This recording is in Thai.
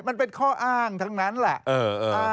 มันเป็นข้ออ้างทั้งนั้นแหละ